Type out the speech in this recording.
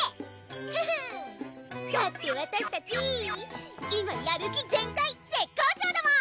ふふーんだってわたしたち今やる気全開絶好調だもん！